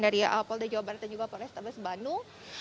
dari polda jawa barat dan juga polrestabes bandung